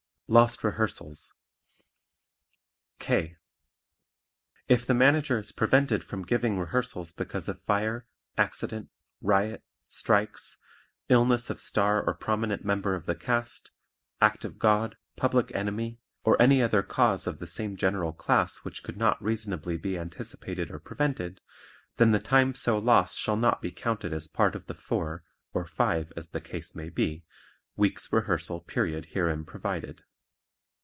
Lost Rehearsals (K) If the Manager is prevented from giving rehearsals because of fire, accident, riot, strikes, illness of star or prominent member of the cast, act of God, public enemy or any other cause of the same general class which could not reasonably be anticipated or prevented, then the time so lost shall not be counted as part of the four (or five, as the case may be) weeks' rehearsal period herein provided.